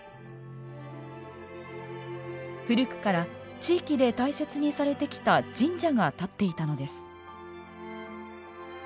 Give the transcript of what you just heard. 古くから地域で大切にされてきた神社が建っていたのです。